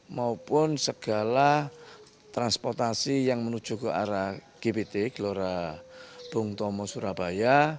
maupun segala transportasi yang menuju ke arah gbt gelora bung tomo surabaya